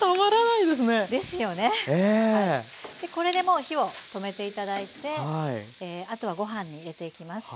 これでもう火を止めて頂いてあとはご飯に入れていきます。